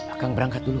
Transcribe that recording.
akang berangkat dulu